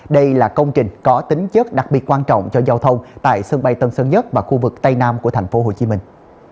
đây là công trình có tính chất đặc biệt quan trọng cho giao thông tại sân bay tân sơn nhất và khu vực tây nam của thành phố hồ chí minh